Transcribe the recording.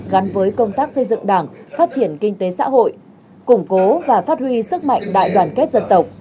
gắn với công tác xây dựng đảng phát triển kinh tế xã hội củng cố và phát huy sức mạnh đại đoàn kết dân tộc